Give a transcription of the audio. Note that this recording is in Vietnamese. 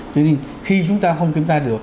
cho nên khi chúng ta không kiểm tra được